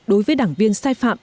đối với đảng viên sai phạm